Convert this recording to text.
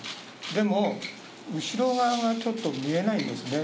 でも、後ろ側はちょっとちょっと見えないんですね。